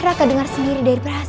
raka dengar sendiri dari perasaan ini